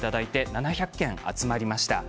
７００件、集まりました。